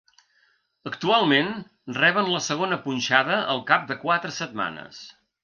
Actualment, reben la segona punxada al cap de quatre setmanes.